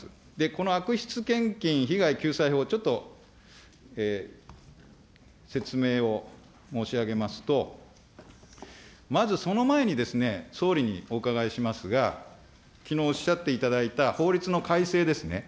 この悪質献金被害救済法、ちょっと説明を申し上げますと、まずその前に総理にお伺いしますが、きのうおっしゃっていただいた法律の改正ですね。